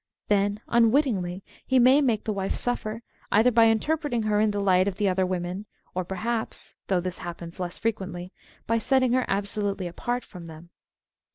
Then, unwFttingly, he may make the wife suffer either by interpreting her in the light of the other women or perhaps (though this happens less fre quently) by setting her absolutely apart from them.